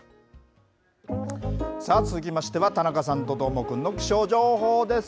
続きましては田中さんとどーもくんの気象情報です。